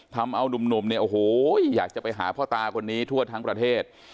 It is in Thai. ทำเอานุ่มเนี่ยโอ้โหอยากจะไปหาพ่อตาคนนี้ทั่วทั้งประเทศ